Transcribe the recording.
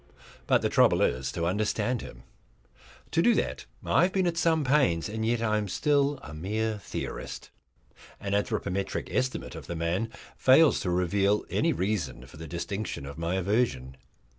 But the trouble is to understand him. To do that I have been at some pains, and yet I am still a mere theorist. An anthropometric estimate of the man fails to reveal any reason for the distinction of my aversion.